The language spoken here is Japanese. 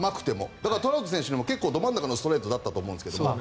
だから、トラウト選手でも結構ど真ん中のストレートだったと思うんですけど。